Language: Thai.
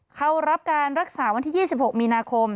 เข้ารับการรักษาวันที่๒๖มีนาคม